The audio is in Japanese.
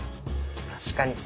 確かに。